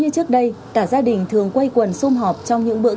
cùng chăm sóc con cả nhà các gia đình thường quay quần xôm họp trong những bữa cơm